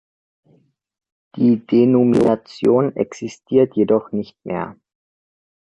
Die Denomination existiert jedoch nicht mehr.